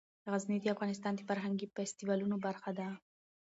غزني د افغانستان د فرهنګي فستیوالونو برخه ده.